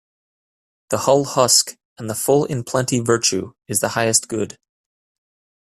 The hull husk and the full in plenty Virtue is the highest good.